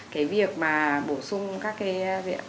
cái việc mà bổ sung các cái